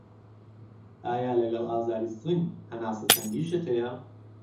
ئایا لەگەڵ ئازاری سنگ هەناسه تەنگیشت هەیە؟